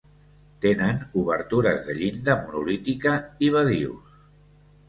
Tenen obertures de llinda monolítica i badius.